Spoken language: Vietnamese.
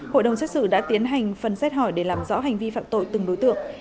hội đồng xét xử đã tiến hành phần xét hỏi để làm rõ hành vi phạm tội từng đối tượng